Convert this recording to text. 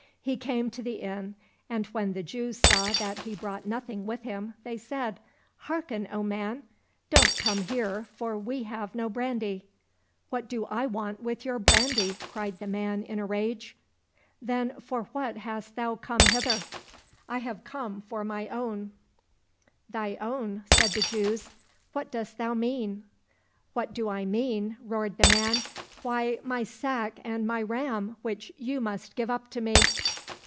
He came to the inn, and when the Jews saw that he brought nothing with him they said, " Hearken, O man ! don't come here, for we have no brandy." —" What do I want with your brandy }" cried the man in a rage. —" Then for what hast thou come hither ?"—" I have come for my own." 38 THE STORY OF THE WIND —" Thy own," said the Jews ;" what dost thou mean ?"—" What do I mean ?" roared the man ;'' why, my sack and my ram, which you must give up to me."